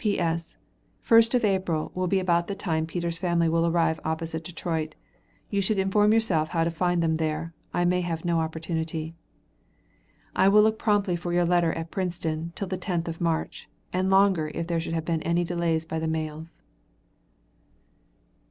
P.S. First of April, will be about the time Peter's family will arrive opposite Detroit. You should inform yourself how to find them there. I may have no opportunity. I will look promptly for your letter at Princeton, till the 10th of March, and longer if there should have been any delay by the mails.